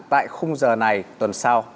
tại khung giờ này tuần sau